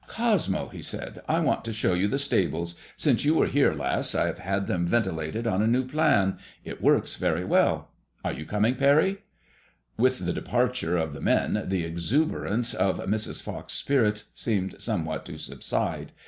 Cosmo," he said, " I want to show you the stables. Since you were here last I have had tibem ventilated on a new plan. It works very well. Are you coming, Parry ?" "With the. departure of the men, the exuberance of Mrs. Fox's spirits seemed somewhat to subside.